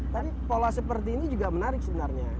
tapi pola seperti ini juga menarik sebenarnya